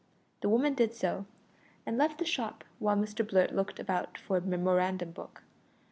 The woman did so, and left the shop while Mr Blurt looked about for a memorandum book.